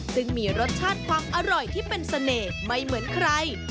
ซึ่งมีรสชาติความอร่อยที่เป็นเสน่ห์ไม่เหมือนใคร